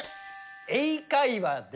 英会話で。